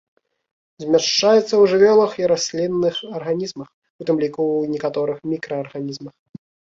Змяшчаецца ў жывёлах і раслінных арганізмах, у тым ліку ў некаторых мікраарганізмах.